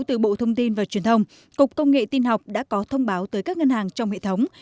từ bộ thông tin và truyền thông cục công nghệ tin học đã có thông báo tới các ngân hàng trong hệ thống